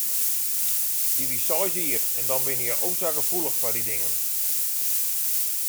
Dy wie seis jier en dan binne je o sa gefoelich foar dy dingen.